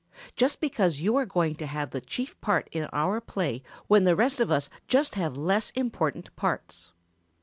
"Just because you are going to have the chief part in our play when the rest of us just have less important parts."